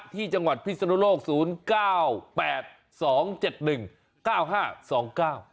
ที่จังหวัดพิศนุโลกศูนย์เก้าแปดสองเจ็ดหนึ่งเก้าห้าสองเก้า